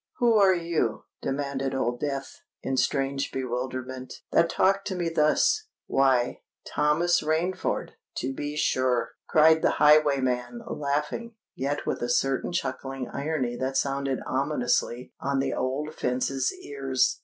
"Who are you," demanded Old Death, in strange bewilderment, "that talk to me thus?" "Why—Thomas Rainford, to be sure!" cried the highwayman, laughing—yet with a certain chuckling irony that sounded ominously on the old fence's ears.